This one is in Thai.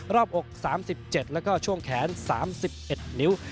บอก๓๗แล้วก็ช่วงแขน๓๑นิ้ว